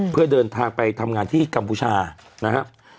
เพื่อเดินทางไปทำงานที่กัมพูชานะครับ